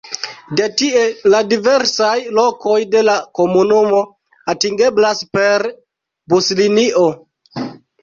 De tie la diversaj lokoj de la komunumo atingeblas per buslinio.